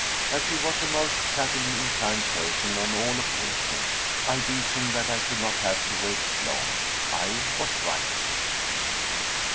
As she was a most chattily inclined person on all occasions, I reasoned that I should not have to wait long. I was right.